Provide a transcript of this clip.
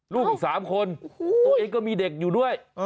ลูกอีก๓คนตัวเองก็มีเด็กอยู่ด้วย